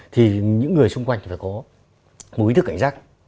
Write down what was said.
thì những người xung quanh phải có một ý thức cảnh giác